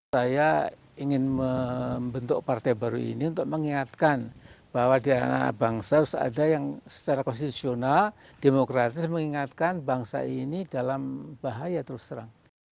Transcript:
saya ingin membentuk partai baru ini untuk mengingatkan bahwa di anak anak bangsa harus ada yang secara konstitusional demokratis mengingatkan bangsa ini dalam bahaya terus terang